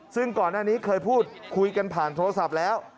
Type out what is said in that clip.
ซึ่งก่อนหน้านี้เคยพูดคุยกันผ่านโทรศัพท์แล้ว